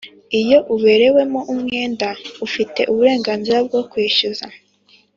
Iyo uberewemo umwenda ufite uburenganzira bwo kwishyuza